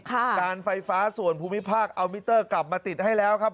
การไฟฟ้าส่วนภูมิภาคเอามิเตอร์กลับมาติดให้แล้วครับ